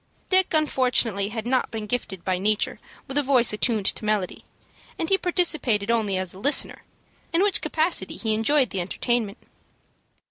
Dick unfortunately had not been gifted by nature with a voice attuned to melody, and he participated only as a listener, in which capacity he enjoyed the entertainment.